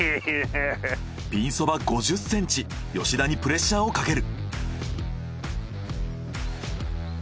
ピンそば５０センチ吉田にプレッシャーをかける。